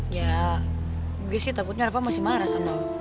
ya gue sih takutnya reva masih marah sama lo